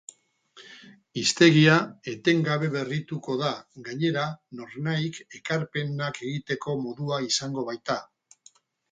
Hiztegia etengabe berrituko da, gainera, nornahik ekarpenak egiteko modua izango baita.